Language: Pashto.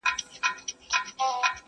کورنۍ لا هم ټوټه ټوټه ده,